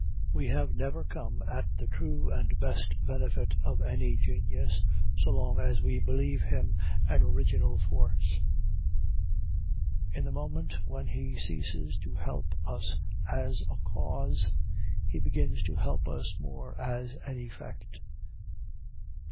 We have never come at the true and best benefit of any genius, so long as we believe him an original force. In the moment when he ceases to help us as a cause, he begins to help us more as an effect.